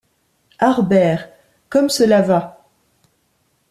Harbert! comme cela va !